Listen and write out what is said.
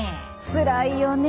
つらいよね。